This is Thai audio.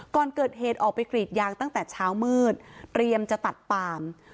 ก่อนเกิดเหตุออกไปกรีดยางตั้งแต่เช้ามืดเตรียมจะตัดปาม